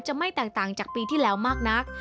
ไม่แตกต่างจากปีที่แล้วมากนัก